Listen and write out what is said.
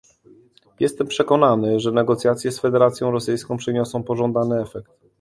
Jestem przekonany, że negocjacje z Federacją Rosyjską przyniosą pożądany efekt